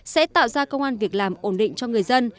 sẽ tạo ra công an việc làm ổn định cho người dân